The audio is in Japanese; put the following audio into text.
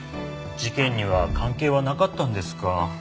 事件には関係はなかったんですか。